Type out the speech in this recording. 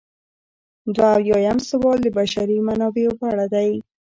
دوه اویایم سوال د بشري منابعو په اړه دی.